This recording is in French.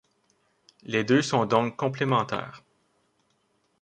Les deux sont donc complémentaires.